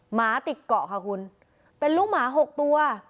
หมาติดเกาะค่ะคุณเป็นลูกหมา๖ตัว